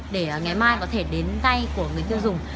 để ngày mai có thể đến tay của người tiêu dùng